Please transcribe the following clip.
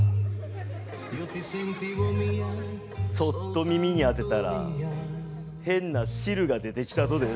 そっと耳に当てたら変な汁が出てきたとです。